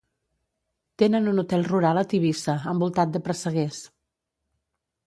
Tenen un hotel rural a Tivissa envoltat de presseguers.